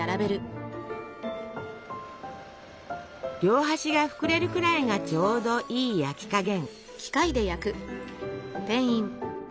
両端が膨れるくらいがちょうどいい焼き加減。